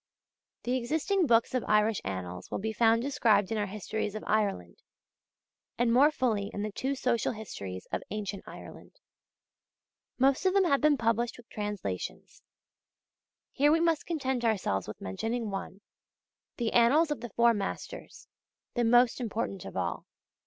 The existing books of Irish Annals will be found described in our Histories of Ireland, and more fully in the two Social Histories of Ancient Ireland. Most of them have been published with translations. Here we must content ourselves with mentioning one, the Annals of the Four Masters, the most important of all.